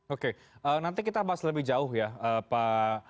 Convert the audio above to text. oke nanti kita bahas lebih jauh ya pak